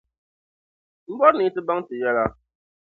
m bɔri ni yi ti baŋ ti yɛla.